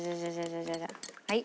はい。